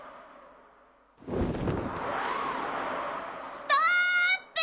ストーップ！